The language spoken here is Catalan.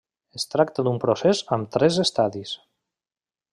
Es tracta d'un procés amb tres estadis.